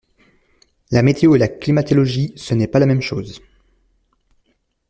La météo et la climatologie ce n'est pas la même chose.